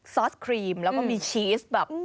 ซอสครีมแล้วก็มีชีสแบบ